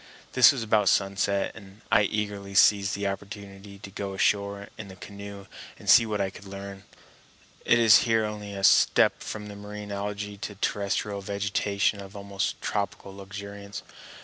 This was about sunset, and I eagerly seized the opportunity to go ashore in the canoe and see what I could learn. It is here only a step from the marine algæ to terrestrial vegetation of almost tropical luxuriance.